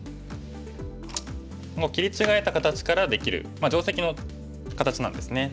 切り違えた形からできる定石の形なんですね。